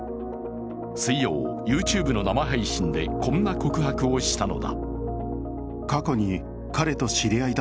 水曜、ＹｏｕＴｕｂｅの生配信でこんな告白をしたのだ。